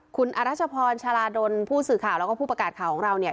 คุณอราชพรเชาราดลผู้สื่อข่าวและผู้ประกาศของเรา